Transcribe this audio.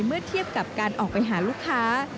เมื่อเทียบกับการออกไปหาลูกค้า